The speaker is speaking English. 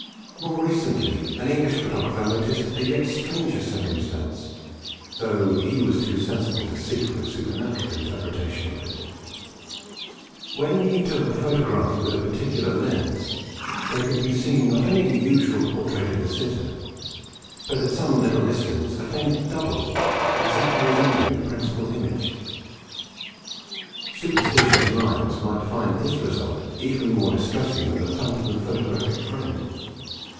More recently an English photographer noticed a yet stranger circumstance, though he was too sensible to seek for a supernatural interpretation of it. When he took a photograph with a particular lens, there could be seen not only the usual portrait of the sitter, but at some little distance a faint 'double,' exactly resembling the principal image. Superstitious minds might find this result even more distressing than the phantom photographic friend.